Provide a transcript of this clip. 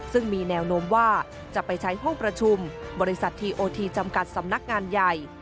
ซึ่งมีแนวโน้มว่าจะไปใช้ห้องประชุมบริษัททีโอทีจำกัดสำนักงานใหญ่